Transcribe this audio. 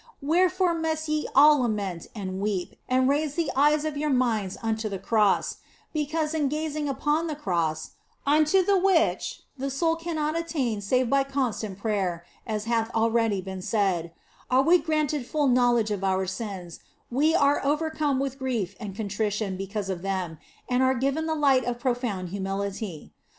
Wherefore must ye all lament and weep and raise the eyes of your minds unto that Cross ; because in gazing upon the Cross (unto the which the soul cannot attain save by constant prayer, as hath already been said) are we granted full knowledge of our sins, we are overcome with grief and contrition because of them, and are given the light of profound humility.